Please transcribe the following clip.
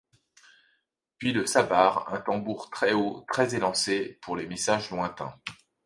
Puis le sabar, un tambour très haut, très élancé, pour les messages lointains.